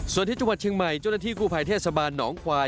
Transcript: ส่วนที่จุภัทรเชียงใหม่จนที่กู้ภัยเทศสบานหนองควาย